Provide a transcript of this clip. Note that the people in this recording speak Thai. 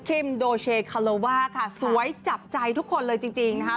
โดเชคาโลว่าค่ะสวยจับใจทุกคนเลยจริงนะคะ